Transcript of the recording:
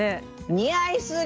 似合いすぎ！